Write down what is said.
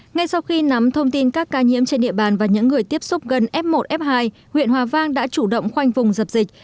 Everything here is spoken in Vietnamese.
ngay sau khi nắm thông tin các ca nhiễm trên địa bàn và những người tiếp xúc gần f một f hai huyện hòa vang đã chủ động khoanh vùng dập dịch